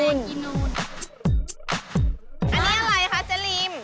อันนี้อะไรคะลีม